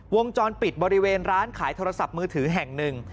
วงจรปิดบริเวณร้านขายโทรศัพท์มือถือแห่งหนึ่ง